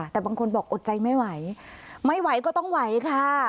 แต่บางคนบอกอดใจไม่ไหวไม่ไหวก็ต้องไหวค่ะ